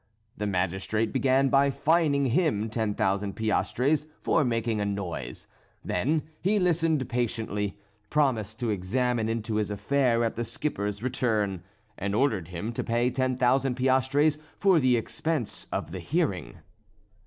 The magistrate began by fining him ten thousand piastres for making a noise; then he listened patiently, promised to examine into his affair at the skipper's return, and ordered him to pay ten thousand piastres for the expense of the hearing.